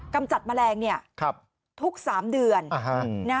กำจัดแมลงเนี่ยทุก๓เดือน